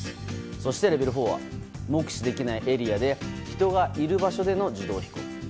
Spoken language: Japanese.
そして、レベル４は目視できないエリアで人がいる場所での自動飛行。